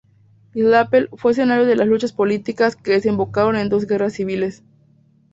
Illapel fue escenario de las luchas políticas que desembocaron en dos guerras civiles.